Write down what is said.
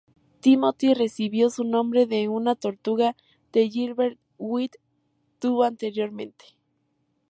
Timothy recibió su nombre de una tortuga que Gilbert White tuvo anteriormente.